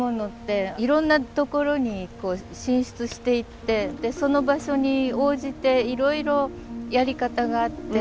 いろんなところに進出していってその場所に応じていろいろやり方があって。